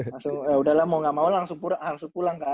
langsung yaudahlah mau nggak mau langsung pulang kan